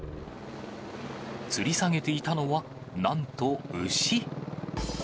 つり下げていたのは、なんと牛。